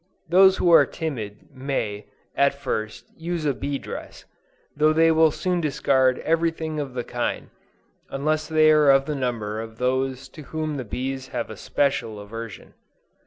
Those who are timid may, at first, use a bee dress; though they will soon discard every thing of the kind, unless they are of the number of those to whom the bees have a special aversion.